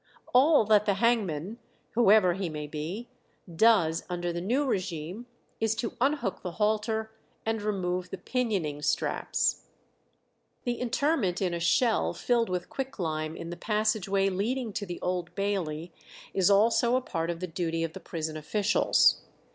All that the hangman, whoever he may be, does under the new regime is to unhook the halter and remove the pinioning straps. The interment in a shell filled with quicklime in the passage way leading to the Old Bailey is also a part of the duty of the prison officials.